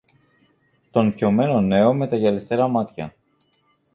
τον πιωμένο νέο με τα γυαλιστερά μάτια